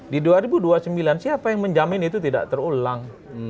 di dua ribu dua puluh sembilan siapa yang menjamin itu tidak terulang